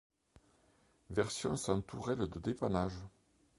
Version sans tourelle de dépannage.